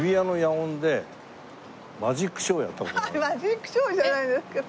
マジックショーじゃないですけど。